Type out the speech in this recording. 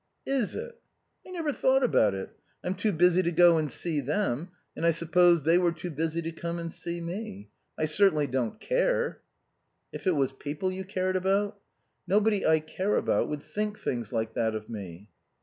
"Is it? I never thought about it. I'm too busy to go and see them and I supposed they were too busy to come and see me. I certainly don't care." "If it was people you cared about?" "Nobody I care about would think things like that of me."